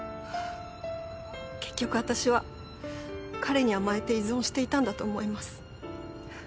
結局私は彼に甘えて依存していたんだと思います。